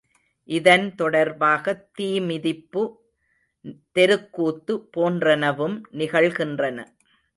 இதன் தொடர்பாகத் தீமிதிப்பு, தெருக்கூத்து போன்றனவும் நிகழ்கின்றன.